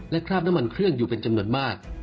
และคราบน้ำมันเครื่องอยู่เป็นจำนวนมาก